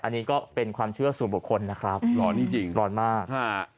อันนี้ก็เป็นความเชื่อส่วนบุคคลนะครับร้อนจริงร้อนมากฮะ